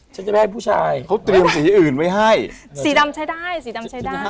ฉันจะไปให้ผู้ชายเขาเตรียมสีอื่นไว้ให้สีดำใช้ได้สีดำใช้ได้